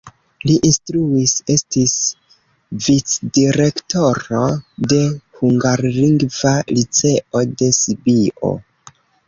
Li instruis, estis vicdirektoro de hungarlingva liceo de Sibio.